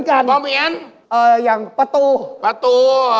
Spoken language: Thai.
อย่าง๗โมงเช้าอีสานเรียกอะไร